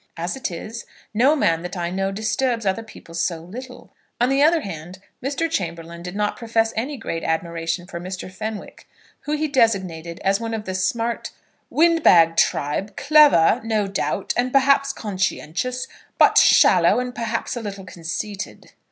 As it is, no man that I know disturbs other people so little." On the other hand, Mr. Chamberlaine did not profess any great admiration for Mr. Fenwick, who he designated as one of the smart "windbag tribe, clever, no doubt, and perhaps conscientious, but shallow and perhaps a little conceited."